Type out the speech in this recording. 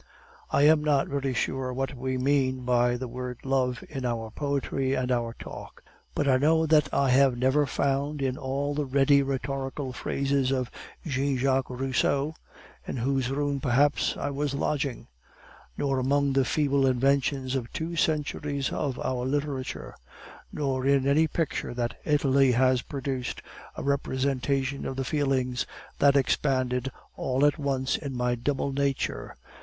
"I am not very sure what we mean by the word love in our poetry and our talk; but I know that I have never found in all the ready rhetorical phrases of Jean Jacques Rousseau, in whose room perhaps I was lodging; nor among the feeble inventions of two centuries of our literature, nor in any picture that Italy has produced, a representation of the feelings that expanded all at once in my double nature.